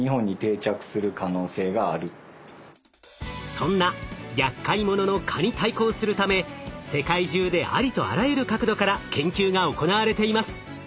そんなやっかい者の蚊に対抗するため世界中でありとあらゆる角度から研究が行われています。